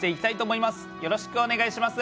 よろしくお願いします。